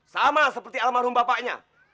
sama seperti almarhum bapaknya